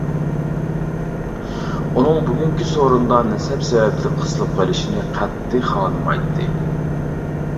ئۇنىڭ بۈگۈنكى سورۇندا نەسەب سەۋەبلىك قىسىلىپ قېلىشىنى قەتئىي خالىمايتتى.